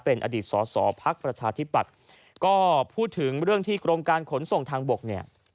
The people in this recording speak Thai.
เป็นอดีตสอสอภักดิ์ประชาธิปัตย์ก็พูดถึงเรื่องที่กรมการขนส่งทางบกเนี่ย